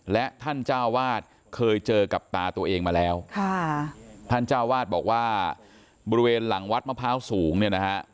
และท่านเจ้าวาดเคยเจอกับตาตัวเองมาแล้วค่ะท่านเจ้าวาดบอกว่าบริเวณหลังวัดมะพร้าวสูงเนี่ยนะฮะ